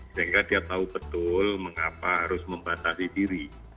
sehingga dia tahu betul mengapa harus membatasi diri